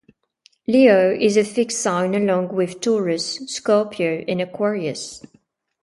Leo is a fixed sign along with Taurus, Scorpio, and Aquarius.